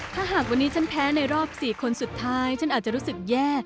ถ้าหากวันนี้ฉันแพ้ในรอบ๔คนสุดท้ายฉันอาจจะรู้สึกแย่